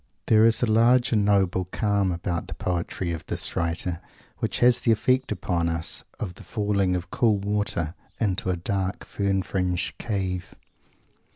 There is a large and noble calm about the poetry of this writer which has the effect upon one of the falling of cool water into a dark, fern fringed cave.